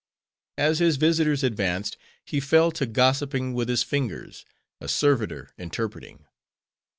As his visitors advanced, he fell to gossiping with his fingers: a servitor interpreting.